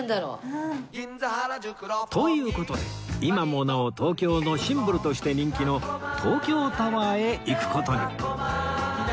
という事で今もなお東京のシンボルとして人気の東京タワーへ行く事に！